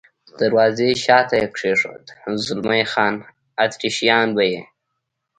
د دروازې شاته یې کېښود، زلمی خان: اتریشیان به یې.